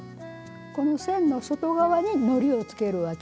この線の外側にのりをつけるわけです。